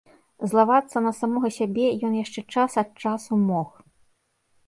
Злавацца на самога сябе ён яшчэ час ад часу мог.